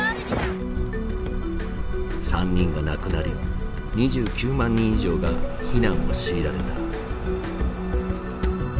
３人が亡くなり２９万人以上が避難を強いられた。